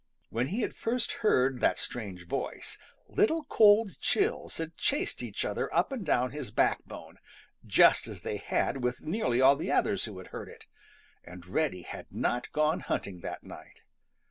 When he had first heard that strange voice, little cold chills had chased each other up and down his backbone, just as they had with nearly all the others who had heard it, and Reddy had not gone hunting that night.